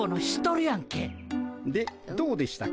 でどうでしたか？